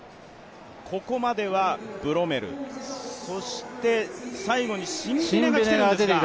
ここまではブロメル、そして最後にシンビネが来たんですね。